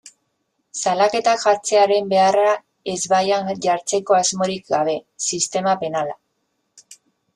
Salaketak jartzearen beharra ezbaian jartzeko asmorik gabe, sistema penala.